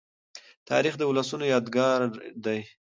تاریخ د ولسونو یادګار دی.